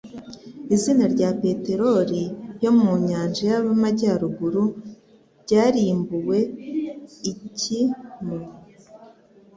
Izina rya peteroli yo mu nyanja y'Amajyaruguru ryarimbuwe iki mu ?